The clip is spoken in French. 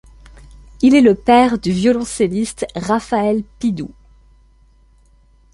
Il est le père du violoncelliste Raphaël Pidoux.